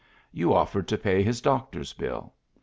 You offered to pay his doctor's bill.